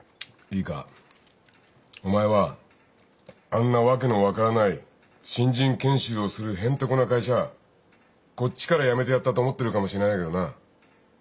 いいかお前はあんな訳の分からない新人研修をするへんてこな会社こっちから辞めてやったと思ってるかもしれないけどな